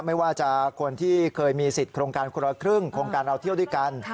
ไม่ว่าจะคนที่เคยมีสิทธิ์โครงการคนละครึ่งโครงการเราเที่ยวด้วยกัน